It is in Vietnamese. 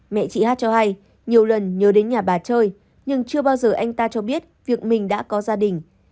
mẹ chị hát cho hay nhiều lần nhớ đến nhà bà chơi nhưng chưa bao giờ anh ta cho biết việc mình đã có gia đình